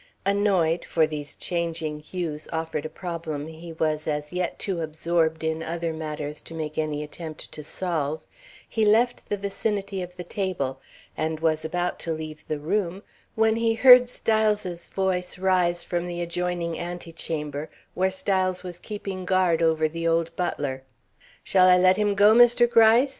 Annoyed, for these changing hues offered a problem he was as yet too absorbed in other matters to make any attempt to solve, he left the vicinity of the table, and was about to leave the room when he heard Styles's voice rise from the adjoining antechamber, where Styles was keeping guard over the old butler: "Shall I let him go, Mr. Gryce?